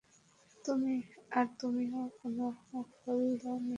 আর তুমিও কোন কল দাওনি।